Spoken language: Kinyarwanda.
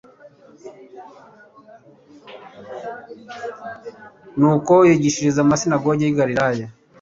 nuko yigishiriza mu masinagogi y i galilaya